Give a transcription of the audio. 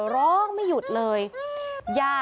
ร้องไม่หยุดเลย